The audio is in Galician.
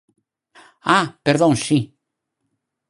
¡Ah!, perdón, si.